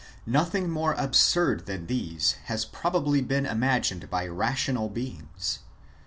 Nothing more absurd than these has probably ever been imagined by rational beings.